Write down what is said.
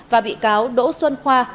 và bị cáo đỗ xuân khoa